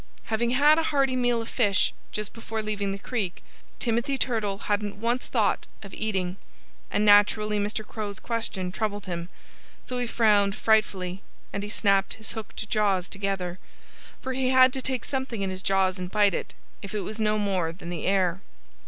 Having had a hearty meal of fish just before leaving the creek, Timothy Turtle hadn't once thought of eating. And naturally Mr. Crow's question troubled him. So he frowned frightfully. And he snapped his hooked jaws together, for he had to take something in his jaws and bite it, if it was no more than the air.